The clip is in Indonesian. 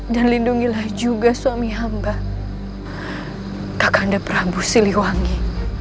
dan lindungilah juga suami hamba kakanda prabu siliwangi